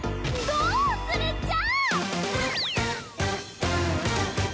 どうするっちゃ！